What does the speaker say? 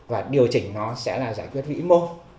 và điều chỉnh nó sẽ là giải quyết vĩ mô